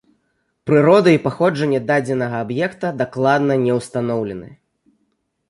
Прырода і паходжанне дадзенага аб'екта дакладна не ўстаноўлены.